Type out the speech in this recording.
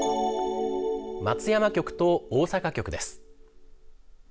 松山局と大阪局です。